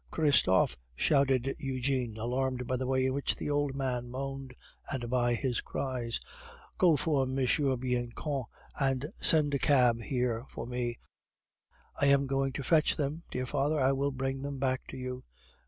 "Christophe!" shouted Eugene, alarmed by the way in which the old man moaned, and by his cries, "go for M. Bianchon, and send a cab here for me. I am going to fetch them, dear father; I will bring them back to you."